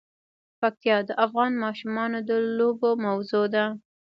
پکتیا د افغان ماشومانو د لوبو موضوع ده.